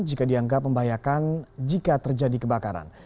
jika dianggap membahayakan jika terjadi kebakaran